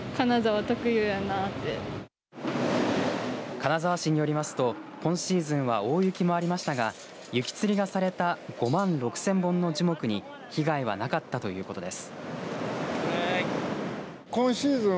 金沢市によりますと今シーズンは大雪もありましたが雪つりがされた５万６０００本の樹木に被害はなかったということです。